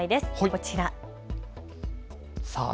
こちら。